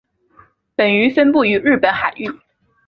本鱼分布于日本海域。